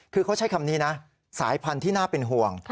คือเขาใช้คำนี้นะสายพันธุ์ที่น่าเป็นห่วง